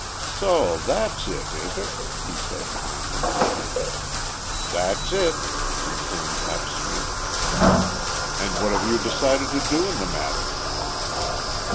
"So that's it, is it?" he said finally. "That's it," returned Hap Smith. "And what have you decided to do in the matter?"